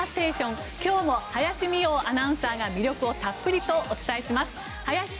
今日も林美桜アナウンサーが魅力をたっぷりとお伝えします。